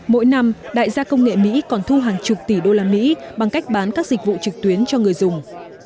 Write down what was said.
mỗi năm đại gia công nghệ mỹ còn thu hàng chục tỷ usd bằng cách bán các dịch vụ trực tuyến cho người dùng